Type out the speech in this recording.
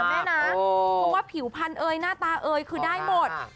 เพราะว่าผิวพันธุเอยหน้าตาเอยคือได้หมด